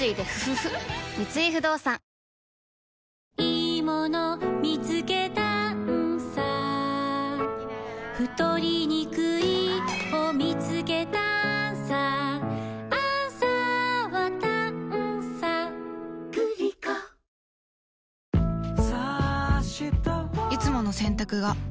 三井不動産いつもの洗濯が